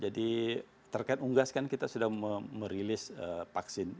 jadi terkait unggas kan kita sudah merilis vaksin